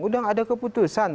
sudah ada keputusan